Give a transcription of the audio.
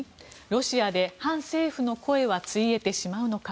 ロシアで反政府の声はついえてしまうのか。